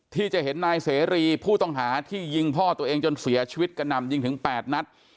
ที่จะเห็นนายเสรีผู้ต้องหาที่ยิงพ่อตัวเองจนเสียชีวิตกระหน่ำยิงถึง๘นัด